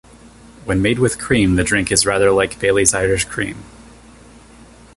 When made with cream the drink is rather like Baileys Irish Cream.